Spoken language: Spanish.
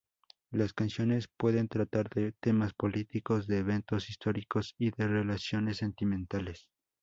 Las canciones pueden tratar de temas políticos, de eventos históricos y de relaciones sentimentales.